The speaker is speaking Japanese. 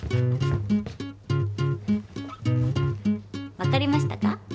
わかりましたか？